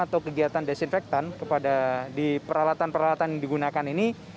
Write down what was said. atau kegiatan desinfektan kepada di peralatan peralatan yang digunakan ini